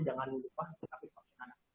jangan lupa tetapi tolong